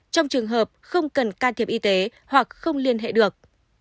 trong trường hợp không cần can thiệp y tế hoặc không liên hệ được